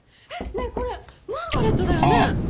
ねえこれマーガレットだよね？